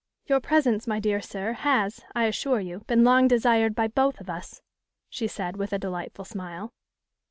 'Your presence, my dear sir, has, I assure you, been long desired by both of us,' she said, with a delightful smile.